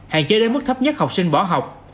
hạn chế đến mức thấp nhất học sinh bỏ học